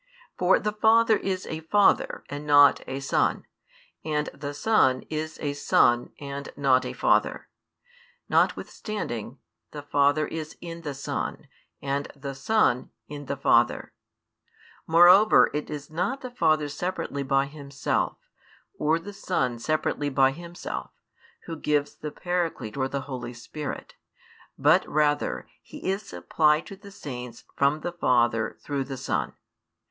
For the Father is a Father and not a Son, and the Son is a Son and not a Father; notwithstanding, the Father is in the Son, and the Son in the Father; moreover, it is not the Father separately by Himself, or the Son separately by Himself, Who gives the Paraclete or the Holy Spirit, but rather He is supplied to the saints from the Father through the Son.